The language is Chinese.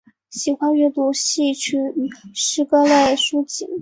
喜欢阅读戏曲与诗歌类书籍。